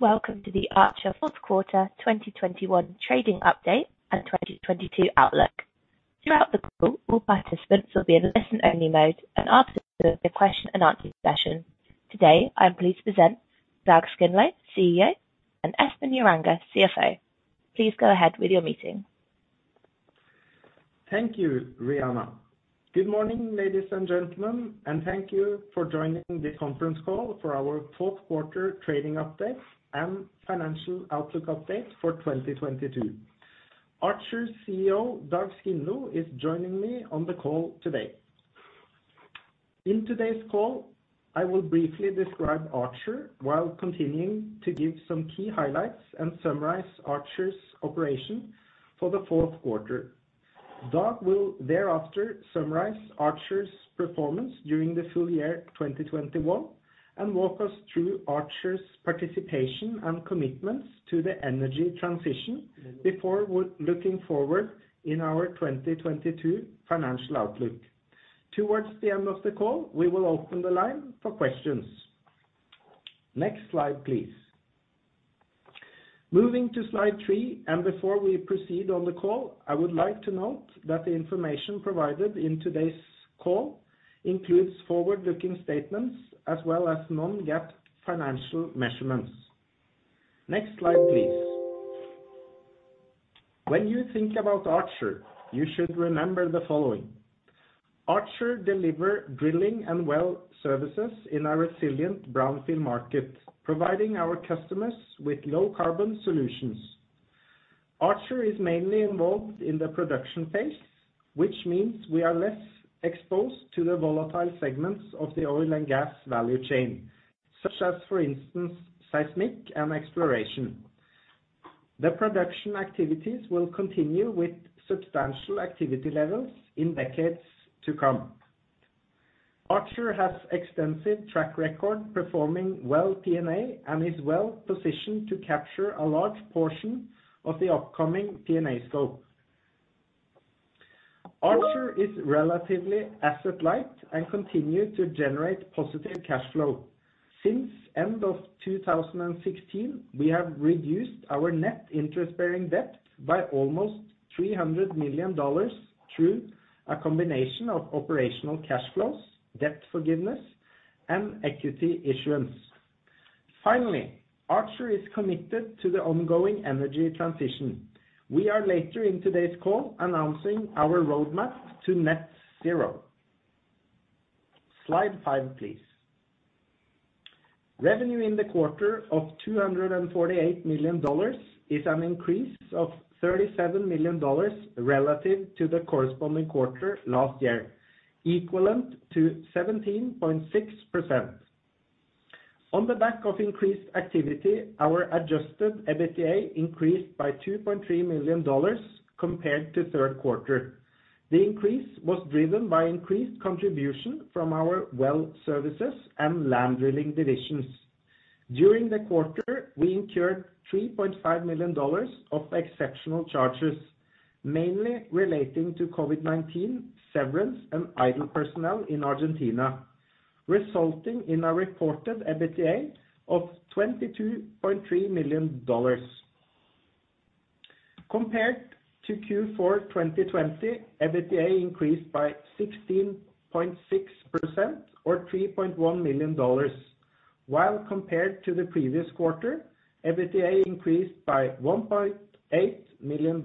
Welcome to the Archer fourth quarter 2021 trading update and 2022 outlook. Throughout the call, all participants will be in a listen-only mode and answer the question and answer session. Today I'm pleased to present Dag Skindlo, CEO, and Espen Joranger, CFO. Please go ahead with your meeting. Thank you, Rhianna. Good morning, ladies and gentlemen, and thank you for joining the conference call for our fourth quarter trading update and financial outlook update for 2022. Archer's CEO, Dag Skindlo, is joining me on the call today. In today's call, I will briefly describe Archer while continuing to give some key highlights and summarize Archer's operation for the fourth quarter. Dag will thereafter summarize Archer's performance during the full year 2021 and walk us through Archer's participation and commitments to the energy transition before looking forward in our 2022 financial outlook. Towards the end of the call, we will open the line for questions. Next slide, please. Moving to Slide 3, and before we proceed on the call, I would like to note that the information provided in today's call includes forward-looking statements as well as non-GAAP financial measurements. Next slide, please. When you think about Archer, you should remember the following: Archer delivers drilling and well services in our resilient brownfield market, providing our customers with low-carbon solutions. Archer is mainly involved in the production phase, which means we are less exposed to the volatile segments of the oil and gas value chain, such as, for instance, seismic and exploration. The production activities will continue with substantial activity levels in decades to come. Archer has an extensive track record performing well P&A and is well positioned to capture a large portion of the upcoming P&A scope. Archer is relatively asset-light and continues to generate positive cash flow. Since the end of 2016, we have reduced our net interest-bearing debt by almost $300 million through a combination of operational cash flows, debt forgiveness, and equity issuance. Finally, Archer is committed to the ongoing energy transition. We are later in today's call announcing our roadmap to net zero. Slide 5, please. Revenue in the quarter of $248 million is an increase of $37 million relative to the corresponding quarter last year, equivalent to 17.6%. On the back of increased activity, our adjusted EBITDA increased by $2.3 million compared to third quarter. The increase was driven by increased contribution from our well services and land drilling divisions. During the quarter, we incurred $3.5 million of exceptional charges, mainly relating to COVID-19, severance, and idle personnel in Argentina, resulting in a reported EBITDA of $22.3 million. Compared to Q4 2020, EBITDA increased by 16.6% or $3.1 million, while compared to the previous quarter, EBITDA increased by $1.8 million.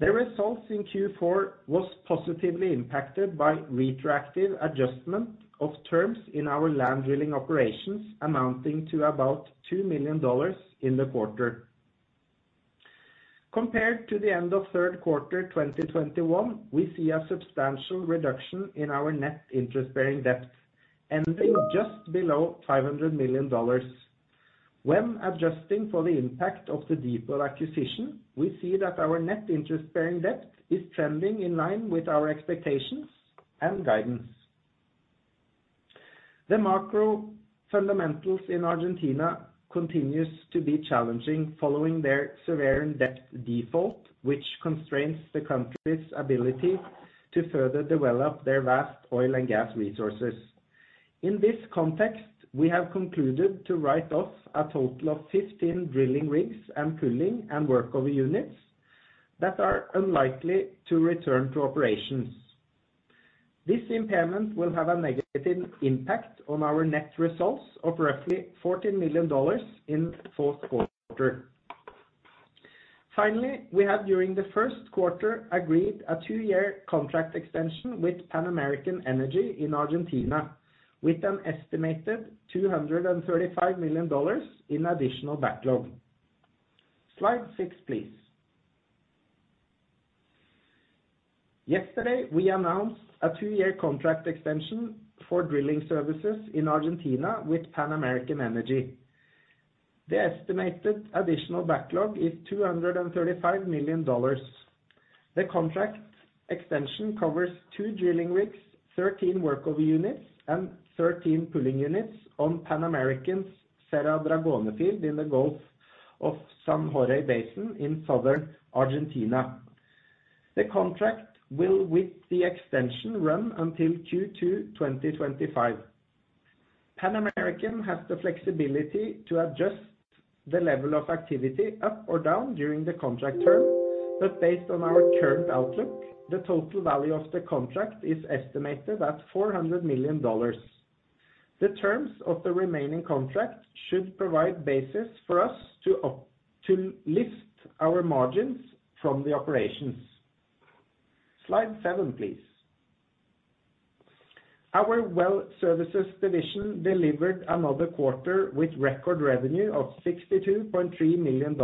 The results in Q4 were positively impacted by retroactive adjustment of terms in our land drilling operations, amounting to about $2 million in the quarter. Compared to the end of third quarter 2021, we see a substantial reduction in our net interest-bearing debt, ending just below $500 million. When adjusting for the impact of the DeepWell acquisition, we see that our net interest-bearing debt is trending in line with our expectations and guidance. The macro fundamentals in Argentina continue to be challenging following their severe debt default, which constrains the country's ability to further develop their vast oil and gas resources. In this context, we have concluded to write off a total of 15 drilling rigs and pulling and workover units that are unlikely to return to operations. This impairment will have a negative impact on our net results of roughly $14 million in the fourth quarter. Finally, we have, during the first quarter, agreed on a two-year contract extension with Pan American Energy in Argentina, with an estimated $235 million in additional backlog. Slide 6, please. Yesterday, we announced a two-year contract extension for drilling services in Argentina with Pan American Energy. The estimated additional backlog is $235 million. The contract extension covers two drilling rigs, 13 workover units, and 13 pulling units on Pan American's Cerro Dragón in the Gulf of San Jorge Basin in southern Argentina. The contract will, with the extension, run until Q2 2025. Pan American has the flexibility to adjust the level of activity up or down during the contract term, but based on our current outlook, the total value of the contract is estimated at $400 million. The terms of the remaining contract should provide a basis for us to lift our margins from the operations. Slide 7, please. Our well services division delivered another quarter with record revenue of $62.3 million.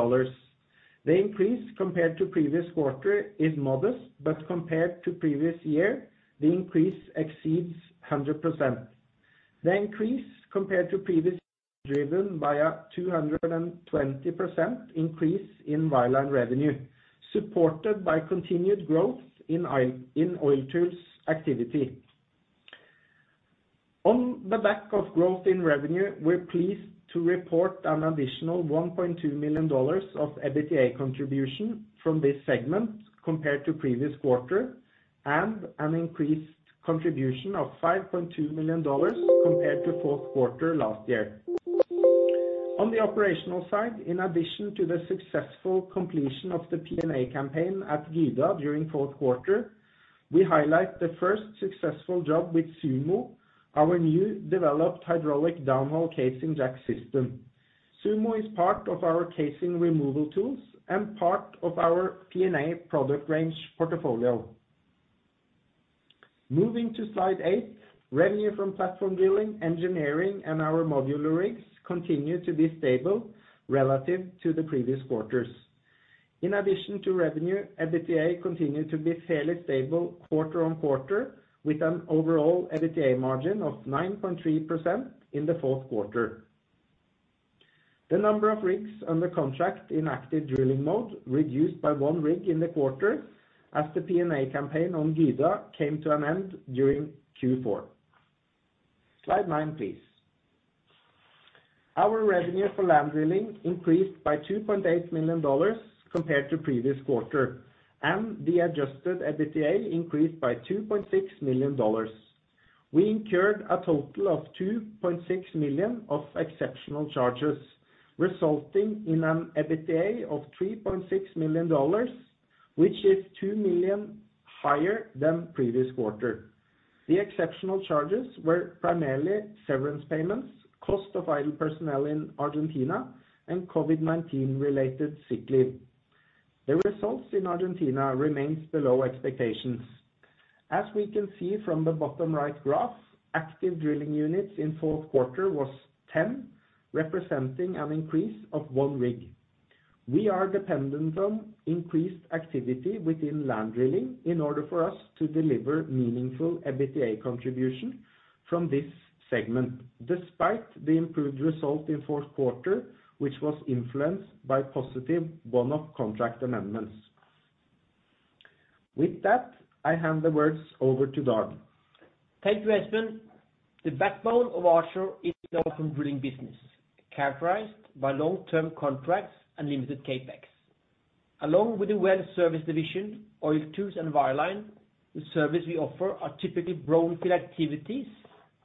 The increase compared to the previous quarter is modest, but compared to the previous year, the increase exceeds 100%. The increase compared to the previous year is driven by a 220% increase in wireline revenue, supported by continued growth in oil tools activity. On the back of growth in revenue, we're pleased to report an additional $1.2 million of EBITDA contribution from this segment compared to the previous quarter and an increased contribution of $5.2 million compared to the fourth quarter last year. On the operational side, in addition to the successful completion of the P&A campaign at Gyda during the fourth quarter, we highlight the first successful job with SUMO, our new developed hydraulic downhole casing jack system. SUMO is part of our casing removal tools and part of our P&A product range portfolio. Moving to Slide 8, revenue from platform drilling, engineering, and our modular rigs continues to be stable relative to the previous quarters. In addition to revenue, EBITDA continues to be fairly stable quarter-over-quarter, with an overall EBITDA margin of 9.3% in the fourth quarter. The number of rigs under contract in active drilling mode reduced by one rig in the quarter as the P&A campaign on Gyda came to an end during Q4. Slide 9, please. Our revenue for land drilling increased by $2.8 million compared to the previous quarter, and the adjusted EBITDA increased by $2.6 million. We incurred a total of $2.6 million of exceptional charges, resulting in an EBITDA of $3.6 million, which is $2 million higher than the previous quarter. The exceptional charges were primarily severance payments, cost of idle personnel in Argentina, and COVID-19-related sick leave. The results in Argentina remain below expectations. As we can see from the bottom-right graph, active drilling units in the fourth quarter were 10, representing an increase of one rig. We are dependent on increased activity within land drilling in order for us to deliver meaningful EBITDA contribution from this segment, despite the improved result in the fourth quarter, which was influenced by positive bonus contract amendments. With that, I hand the words over to Dag. Thank you, Espen. The backbone of Archer is the open drilling business, characterized by long-term contracts and limited CapEx. Along with the well service division, oil tools, and wireline, the services we offer are typically brownfield activities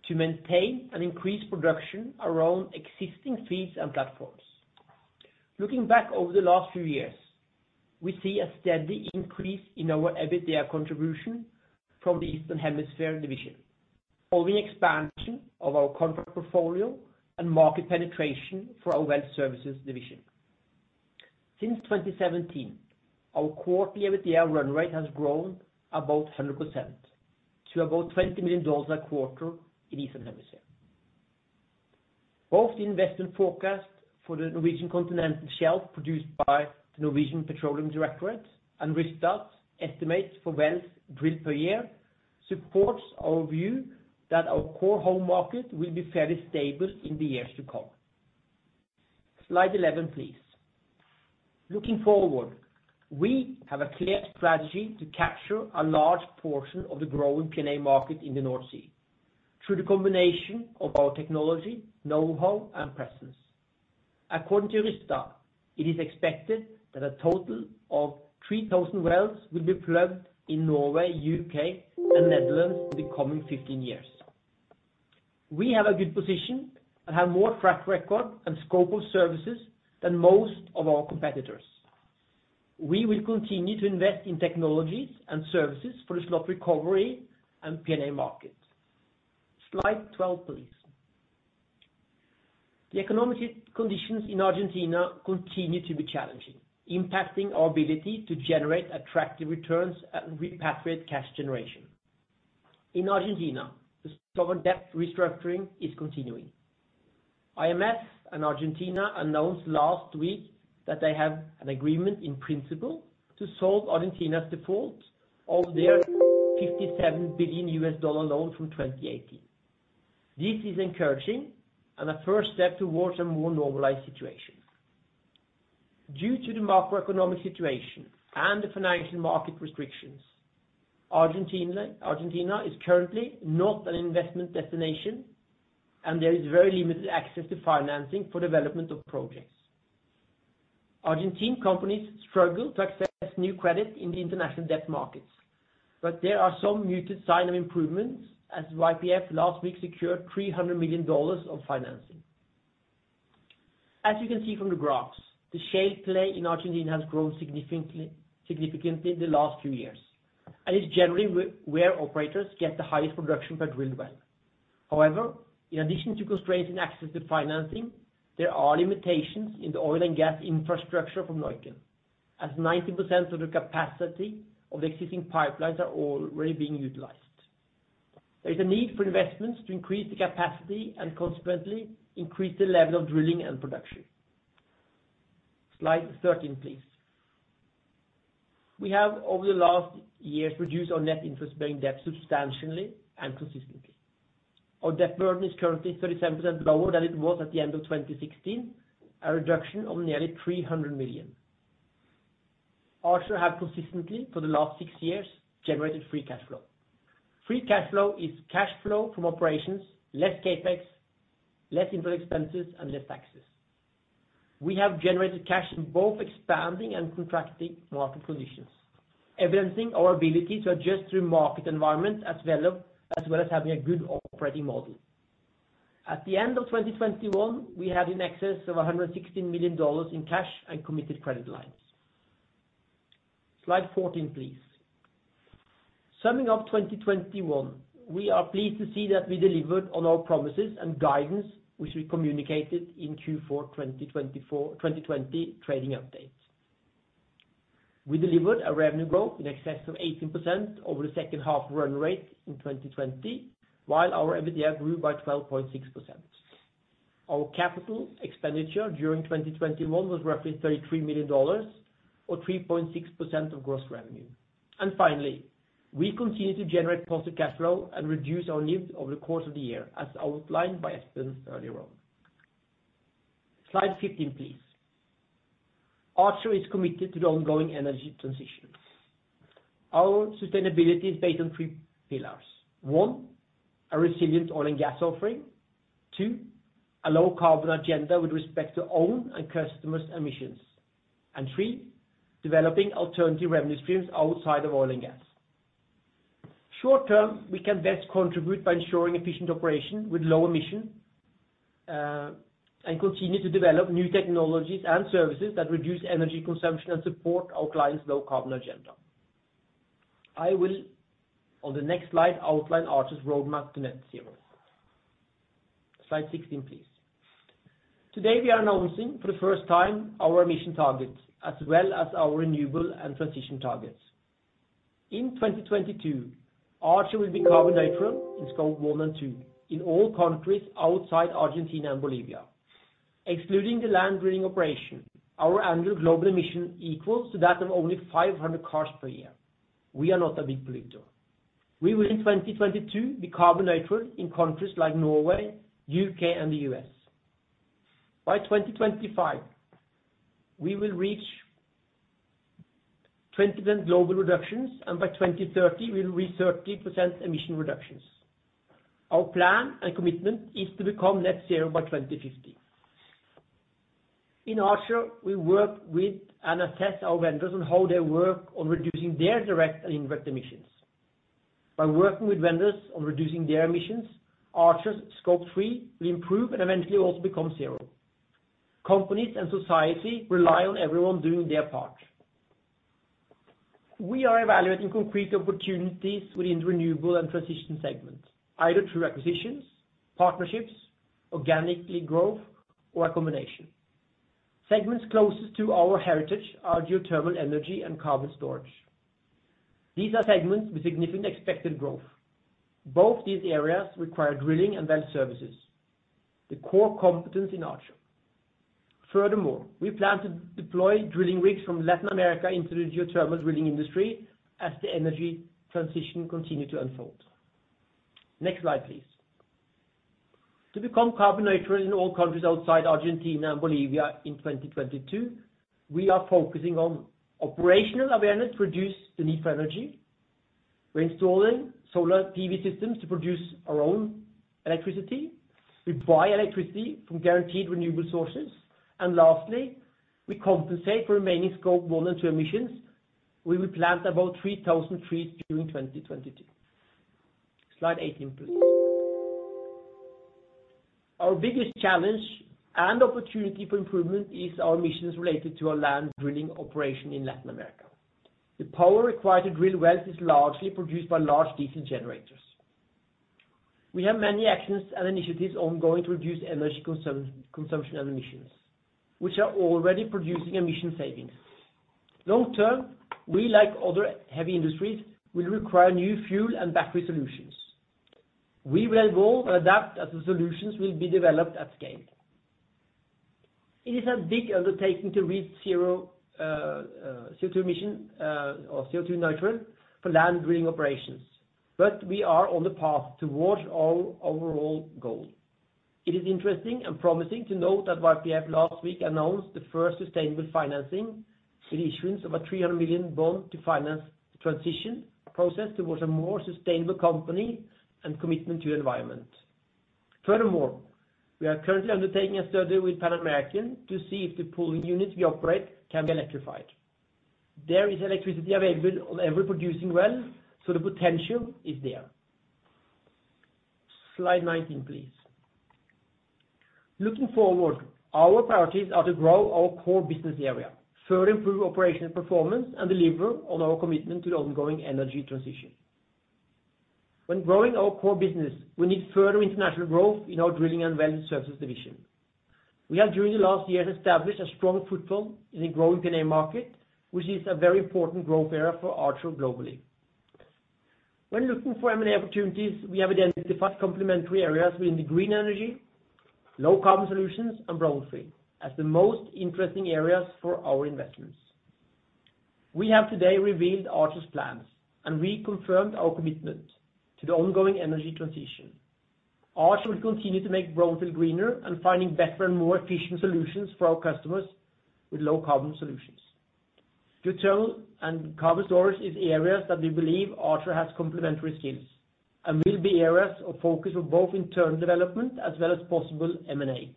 to maintain and increase production around existing fields and platforms. Looking back over the last few years, we see a steady increase in our EBITDA contribution from the Eastern Hemisphere division, following expansion of our contract portfolio and market penetration for our well services division. Since 2017, our quarterly EBITDA run rate has grown about 100% to about $20 million a quarter in the Eastern Hemisphere. Both the investment forecast for the Norwegian Continental Shelf produced by the Norwegian Petroleum Directorate and Rystad estimates for wells drilled per year support our view that our core home market will be fairly stable in the years to come. Slide 11, please. Looking forward, we have a clear strategy to capture a large portion of the growing P&A market in the North Sea through the combination of our technology, know-how, and presence. According to Rystad, it is expected that a total of 3,000 wells will be plugged in Norway, U.K., and the Netherlands in the coming 15 years. We have a good position and have more track record and scope of services than most of our competitors. We will continue to invest in technologies and services for the slot recovery and P&A market. Slide 12, please. The economic conditions in Argentina continue to be challenging, impacting our ability to generate attractive returns and repatriate cash generation. In Argentina, the sovereign debt restructuring is continuing. IMF and Argentina announced last week that they have an agreement in principle to solve Argentina's default of their $57 billion loan from 2018. This is encouraging and a first step towards a more normalized situation. Due to the macroeconomic situation and the financial market restrictions, Argentina is currently not an investment destination, and there is very limited access to financing for development of projects. Argentine companies struggle to access new credit in the international debt markets, but there are some muted signs of improvement as YPF last week secured $300 million of financing. As you can see from the graphs, the shale play in Argentina has grown significantly in the last few years, and it's generally where operators get the highest production per drilled well. However, in addition to constraints in access to financing, there are limitations in the oil and gas infrastructure from Neuquén, as 90% of the capacity of the existing pipelines are already being utilized. There is a need for investments to increase the capacity and, consequently, increase the level of drilling and production. Slide 13, please. We have, over the last years, reduced our net interest-bearing debt substantially and consistently. Our debt burden is currently 37% lower than it was at the end of 2016, a reduction of nearly $300 million. Archer has consistently, for the last six years, generated free cash flow. Free cash flow is cash flow from operations, less capex, less interest expenses and less taxes. We have generated cash in both expanding and contracting market conditions, evidencing our ability to adjust to the market environment as well as having a good operating model. At the end of 2021, we had an excess of $116 million in cash and committed credit lines. Slide 14, please. Summing up 2021, we are pleased to see that we delivered on our promises and guidance, which we communicated in Q4 2020 trading updates. We delivered a revenue growth in excess of 18% over the second half run rate in 2020, while our EBITDA grew by 12.6%. Our capital expenditure during 2021 was roughly $33 million, or 3.6% of gross revenue. And finally, we continue to generate positive cash flow and reduce our needs over the course of the year, as outlined by Espen earlier on. Slide 15, please. Archer is committed to the ongoing energy transition. Our sustainability is based on three pillars: one, a resilient oil and gas offering, two, a low-carbon agenda with respect to own and customers' emissions, and three, developing alternative revenue streams outside of oil and gas. Short term, we can best contribute by ensuring efficient operation with low emission and continue to develop new technologies and services that reduce energy consumption and support our clients' low-carbon agenda. I will, on the next slide, outline Archer's roadmap to net zero. Slide 16, please. Today, we are announcing, for the first time, our emission targets as well as our renewable and transition targets. In 2022, Archer will be carbon neutral in Scope 1 and 2 in all countries outside Argentina and Bolivia. Excluding the land drilling operation, our annual global emission equals that of only 500 cars per year. We are not a big polluter. We will, in 2022, be carbon neutral in countries like Norway, U.K., and the U.S. By 2025, we will reach 20% global reductions, and by 2030, we will reach 30% emission reductions. Our plan and commitment is to become net zero by 2050. In Archer, we work with and assess our vendors on how they work on reducing their direct and indirect emissions. By working with vendors on reducing their emissions, Archer's Scope 3 will improve and eventually also become zero. Companies and society rely on everyone doing their part. We are evaluating concrete opportunities within the renewable and transition segments, either through acquisitions, partnerships, organically growth, or a combination. Segments closest to our heritage are geothermal energy and carbon storage. These are segments with significant expected growth. Both these areas require drilling and well services, the core competence in Archer. Furthermore, we plan to deploy drilling rigs from Latin America into the geothermal drilling industry as the energy transition continues to unfold. Next slide, please. To become carbon neutral in all countries outside Argentina and Bolivia in 2022, we are focusing on operational awareness to reduce the need for energy. We're installing solar PV systems to produce our own electricity. We buy electricity from guaranteed renewable sources. Lastly, we compensate for remaining Scope 1 and 2 emissions. We will plant about 3,000 trees during 2022. Slide 18, please. Our biggest challenge and opportunity for improvement is our emissions related to our land drilling operation in Latin America. The power required to drill wells is largely produced by large diesel generators. We have many actions and initiatives ongoing to reduce energy consumption and emissions, which are already producing emission savings. Long term, we, like other heavy industries, will require new fuel and battery solutions. We will evolve and adapt as the solutions will be developed at scale. It is a big undertaking to reach CO2 emission or CO2 neutral for land drilling operations, but we are on the path towards our overall goal. It is interesting and promising to note that YPF last week announced the first sustainable financing with the issuance of a $300 million bond to finance the transition process towards a more sustainable company and commitment to the environment. Furthermore, we are currently undertaking a study with Pan American to see if the pulling units we operate can be electrified. There is electricity available on every producing well, so the potential is there. Slide 19, please. Looking forward, our priorities are to grow our core business area, further improve operational performance, and deliver on our commitment to the ongoing energy transition. When growing our core business, we need further international growth in our drilling and well services division. We have, during the last years, established a strong foothold in the growing P&A market, which is a very important growth area for Archer globally. When looking for M&A opportunities, we have identified complementary areas within the green energy, low-carbon solutions, and brownfield as the most interesting areas for our investments. We have today revealed Archer's plans, and we confirmed our commitment to the ongoing energy transition. Archer will continue to make brownfield greener and find better and more efficient solutions for our customers with low-carbon solutions. Geothermal and carbon storage are areas that we believe Archer has complementary skills and will be areas of focus for both internal development as well as possible M&A.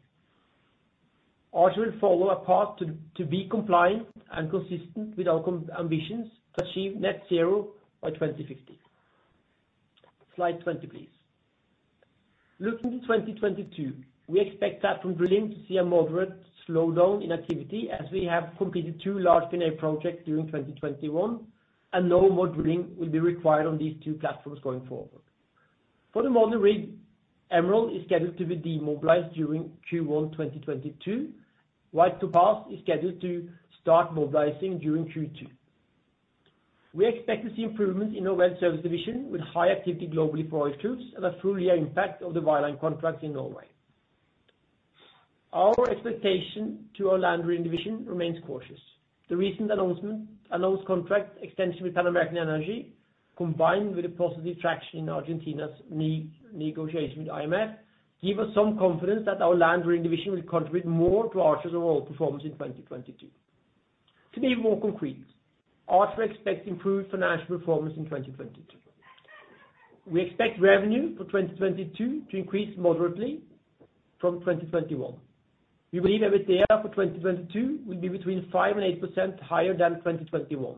Archer will follow a path to be compliant and consistent with our ambitions to achieve net zero by 2050. Slide 20, please. Looking to 2022, we expect platform drilling to see a moderate slowdown in activity as we have completed two large P&A projects during 2021, and no more drilling will be required on these two platforms going forward. For the modular rig, Emerald is scheduled to be demobilized during Q1 2022, while Topaz is scheduled to start mobilizing during Q2. We expect to see improvements in our well service division with high activity globally for oil tools and a full-year impact of the wireline contracts in Norway. Our expectation to our land drilling division remains cautious. The recent announcement announced contract extension with Pan American Energy, combined with a positive traction in Argentina's negotiation with IMF, gives us some confidence that our land drilling division will contribute more to Archer's overall performance in 2022. To be more concrete, Archer expects improved financial performance in 2022. We expect revenue for 2022 to increase moderately from 2021. We believe EBITDA for 2022 will be between 5%-8% higher than 2021.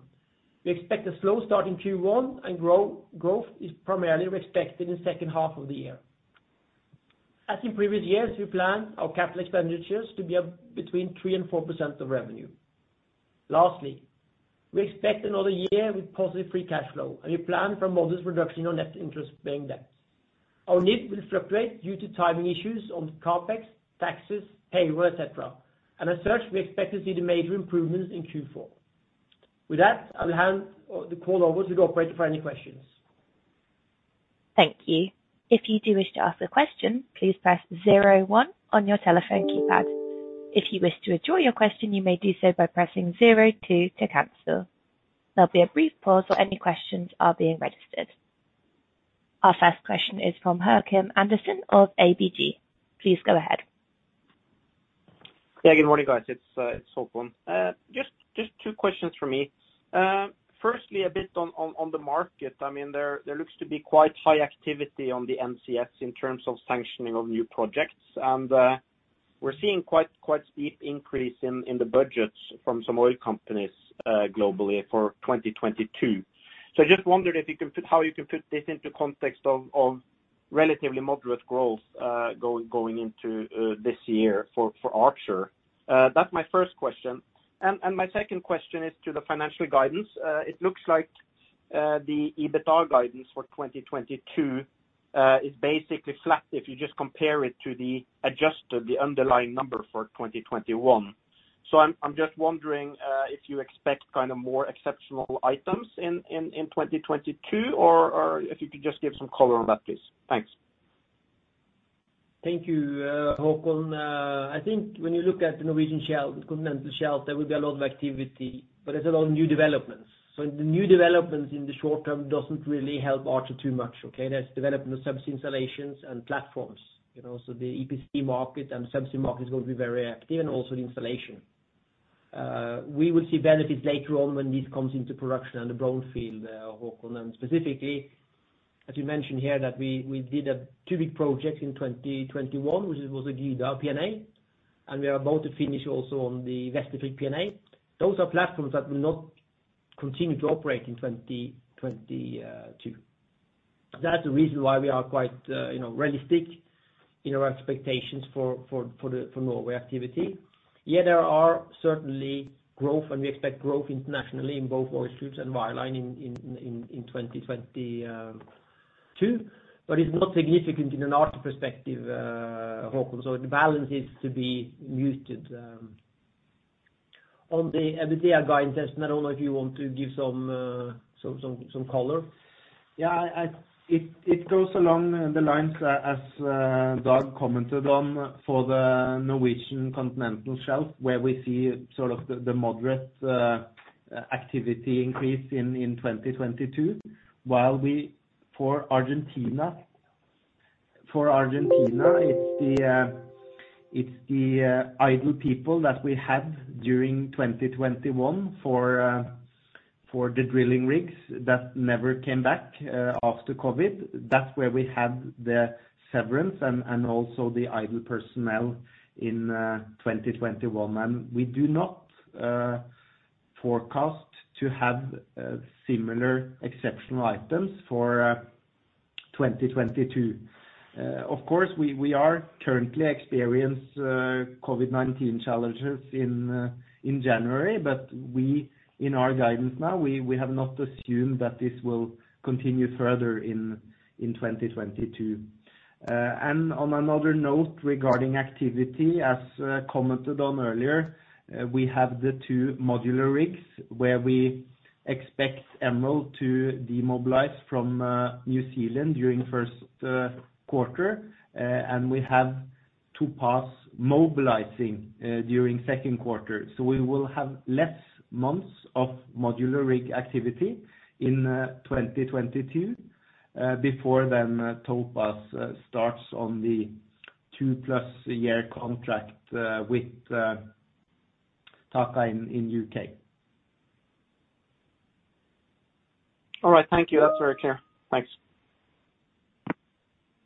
We expect a slow start in Q1, and growth is primarily expected in the second half of the year. As in previous years, we plan our capital expenditures to be between 3%-4% of revenue. Lastly, we expect another year with positive free cash flow, and we plan for a modest reduction in our net interest-bearing debt. Our needs will fluctuate due to timing issues on CapEx, taxes, payroll, etc. And as such, we expect to see the major improvements in Q4. With that, I will hand the call over to the operator for any questions. Thank you. If you do wish to ask a question, please press zero and one on your telephone keypad. If you wish to adjourn your question, you may do so by pressing zero two to cancel. There'll be a brief pause while any questions are being registered. Our first question is from Haakon Amundsen of ABG. Please go ahead. Yeah, good morning, guys. It's Haakon Amundsen. Just two questions from me. Firstly, a bit on the market. I mean, there looks to be quite high activity on the NCS in terms of sanctioning of new projects, and we're seeing quite a steep increase in the budgets from some oil companies globally for 2022. So I just wondered how you can put this into context of relatively moderate growth going into this year for Archer. That's my first question. And my second question is to the financial guidance. It looks like the EBITDA guidance for 2022 is basically flat if you just compare it to the adjusted, the underlying number for 2021. So I'm just wondering if you expect kind of more exceptional items in 2022, or if you could just give some color on that, please. Thanks. Thank you, Haakon. I think when you look at the Norwegian shelf, the continental shelf, there will be a lot of activity, but there's a lot of new developments. So the new developments in the short term doesn't really help Archer too much. Okay? There's development of subsea installations and platforms. So the EPC market and the subsea market is going to be very active, and also the installation. We will see benefits later on when this comes into production and the brownfield, Haakon. And specifically, as you mentioned here, that we did 2 big projects in 2021, which was a Gyda P&A, and we are about to finish also on the Veslefrikk P&A. Those are platforms that will not continue to operate in 2022. That's the reason why we are quite realistic in our expectations for Norway activity. Yeah, there are certainly growth, and we expect growth internationally in both oil tools and wireline in 2022, but it's not significant in an Archer perspective, Haakon. So the balance is to be muted. On the EBITDA guidance, I don't know if you want to give some color. Yeah, it goes along the lines as Dag commented on for the Norwegian Continental Shelf, where we see sort of the moderate activity increase in 2022. While for Argentina, it's the idle people that we had during 2021 for the drilling rigs that never came back after COVID. That's where we had the severance and also the idle personnel in 2021. And we do not forecast to have similar exceptional items for 2022. Of course, we are currently experiencing COVID-19 challenges in January, but in our guidance now, we have not assumed that this will continue further in 2022. And on another note regarding activity, as commented on earlier, we have the two modular rigs where we expect Emerald to demobilize from New Zealand during first quarter, and we have Topaz mobilizing during second quarter. We will have less months of modular rig activity in 2022 before then Topaz starts on the two-plus-year contract with TAQA in U.K. All right. Thank you. That's very clear.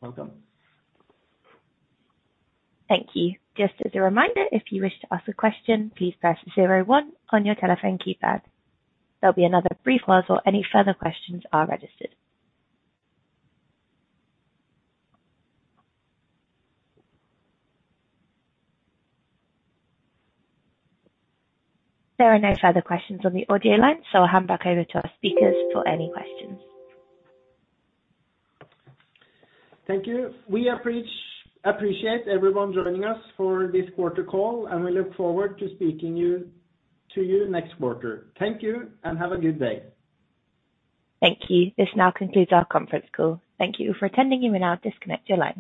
Thanks. Welcome. Thank you. Just as a reminder, if you wish to ask a question, please press zero one on your telephone keypad. There'll be another brief pause while any further questions are registered. There are no further questions on the audio line, so I'll hand back over to our speakers for any questions. Thank you. We appreciate everyone joining us for this quarter call, and we look forward to speaking to you next quarter. Thank you, and have a good day. Thank you. This now concludes our conference call. Thank you for attending. You may now disconnect your line.